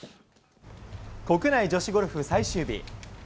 国内女子ゴルフ最終日。